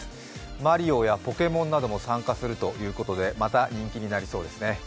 マリオやポケモンなども参加するということでまた人気になりそうですね。